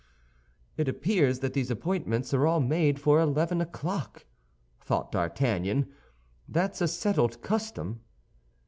"It appears that these appointments are all made for eleven o'clock," thought D'Artagnan; "that's a settled custom."